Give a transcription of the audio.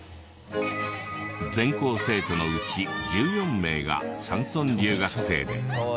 全校生徒のうち１４名が山村留学生で。